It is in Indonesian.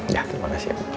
ya terima kasih